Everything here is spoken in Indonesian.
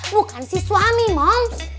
bukan si suami moms